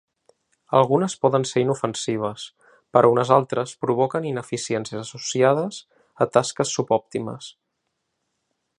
Algunes poden ser inofensives, però unes altres provoquen ineficiències associades a tasques subòptimes.